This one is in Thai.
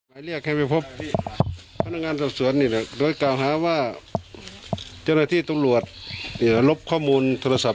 อ่าอันนี้แหละครับ